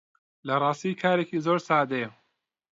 لە ڕاستی کارێکی زۆر سادەیە